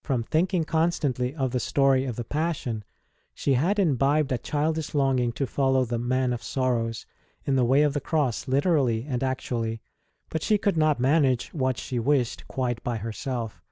From thinking constantly of the story of the Passion, she had imbibed a childish longing to follow the Man of Sorrows in the Way of the Cross literally and actually; but she could not ST. ROSE S CHILDHOOD 49 manage what she wished quite by herself.